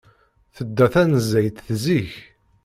Tedda tanezzayt zik.